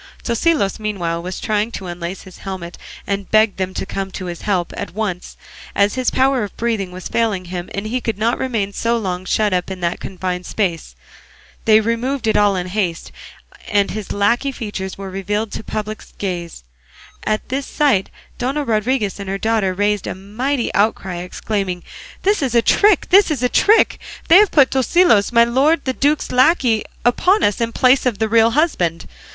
Tosilos meanwhile was trying to unlace his helmet, and he begged them to come to his help at once, as his power of breathing was failing him, and he could not remain so long shut up in that confined space. They removed it in all haste, and his lacquey features were revealed to public gaze. At this sight Dona Rodriguez and her daughter raised a mighty outcry, exclaiming, "This is a trick! This is a trick! They have put Tosilos, my lord the duke's lacquey, upon us in place of the real husband.